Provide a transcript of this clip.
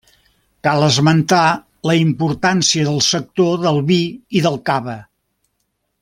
Cal esmentar la importància del sector del vi i del cava.